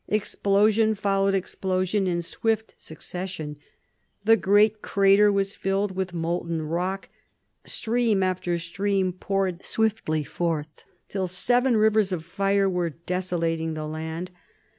Explosion followed explosion in swift succession. The great crater was filled with molten rock. Stream after stream poured swiftly forth, till seven rivers of fire were desolating the land.